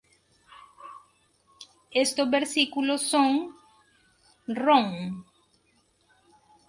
Estos versículos son: Rom.